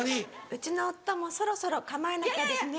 うちの夫もそろそろ構えなきゃですね。